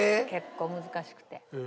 結構難しくて。